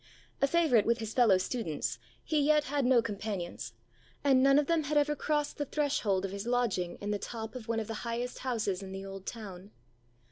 A favourite with his fellow students, he yet had no companions; and none of them had ever crossed the threshold of his lodging in the top of one of the highest houses in the old town.